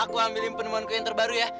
aku ambilin penemuanku yang terbaru ya